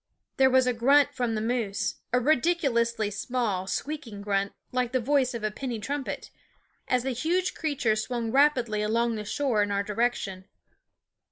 There was a grunt from the moose a ridiculously small, squeaking grunt, like the voice of a penny trumpet as the huge creature swung rapidly along the shore in our direction.